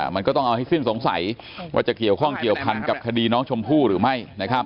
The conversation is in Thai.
มันก็ต้องเอาให้สิ้นสงสัยว่าจะเกี่ยวข้องเกี่ยวพันกับคดีน้องชมพู่หรือไม่